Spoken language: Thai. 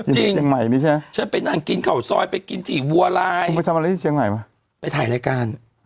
จริงฉันไปนั่งกินข้าวซอยไปกินที่วัวลายไปถ่ายรายการ